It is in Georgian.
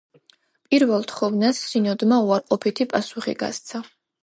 პირველ თხოვნას სინოდმა უარყოფითი პასუხი გასცა.